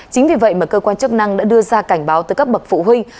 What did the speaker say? chính vì vậy mà cơ quan chức năng đã đưa ra cảnh báo tới các bậc phụ huynh